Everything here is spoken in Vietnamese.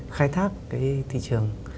khai thác cái thị trường